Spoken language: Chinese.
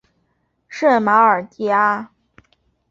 圣马尔蒂阿。